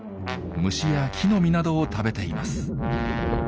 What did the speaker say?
虫や木の実などを食べています。